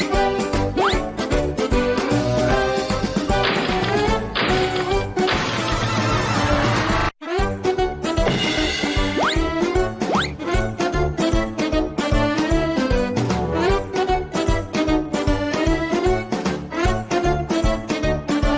สวัสดีค่ะ